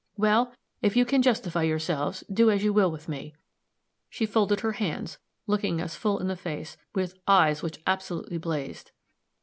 Well, if you can justify yourselves, do as you will with me!" She folded her hands, looking us full in the face with eyes which absolutely blazed.